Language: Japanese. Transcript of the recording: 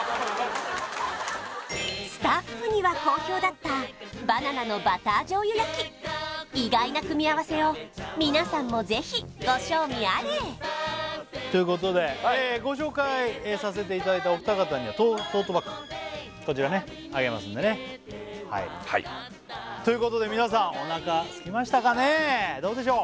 スタッフには好評だったバナナのバター醤油焼き意外な組み合わせを皆さんもぜひご賞味あれということでご紹介させていただいたお二方にはトートバッグこちらねあげますんでねということで皆さんおなかすきましたかねどうでしょう？